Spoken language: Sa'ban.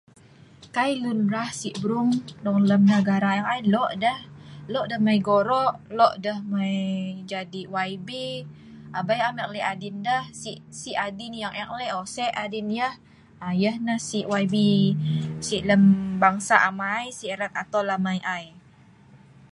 Kai lun rah si brung dong lem negara ek ai, lok deh, lok deh mei gorok, lok deh mei jadi YB, abei am ek lek adin deh, sii' adin yang ek lek oo Ose adin yeh, yeh neh sii' YB erat lem bangsa amai si erat lem a'toul amai